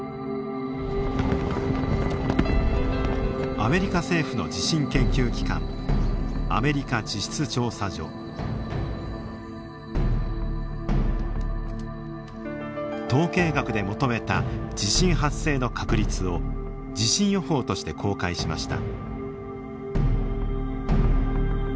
アメリカ政府の地震研究機関統計学で求めた地震発生の確率を地震予報として公開しました。